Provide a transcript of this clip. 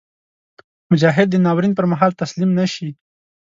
مجاهد د ناورین پر مهال تسلیم نهشي.